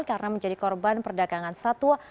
karena menjadi korban perdagangan satwa